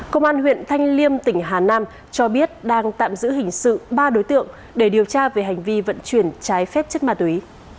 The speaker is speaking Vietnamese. công an huyện thanh liêm tỉnh hà nam cho biết đang tạm giữ hình sự ba đối tượng để điều tra về hành vi vận chuyển trái phép chất ma túy